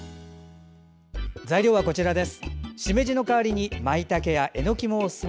材料は、こちらです。